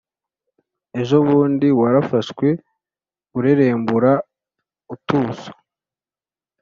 ejobundi warafashwe urerembura utuso